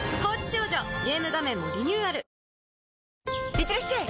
いってらっしゃい！